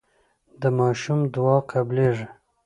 د ماشوم دعا قبليږي.